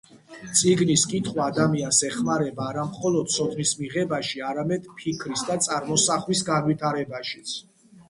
წიგნების კითხვა ადამიანს ეხმარება არა მხოლოდ ცოდნის მიღებაში, არამედ ფიქრის და წარმოსახვის განვითარებაშიც.